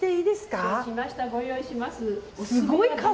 そうしましたら、ご用意します。